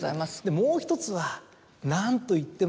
もう１つは何といっても。